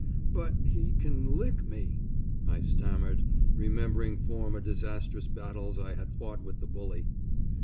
"But he can lick me," I stammered, remembering former disastrous battles I had fought with the bully.